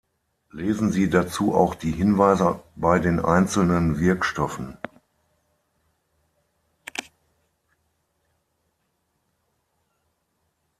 Lesen Sie dazu auch die Hinweise bei den einzelnen Wirkstoffen.